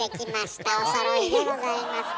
おそろいでございます。